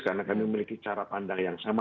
karena kami memiliki cara pandang yang sama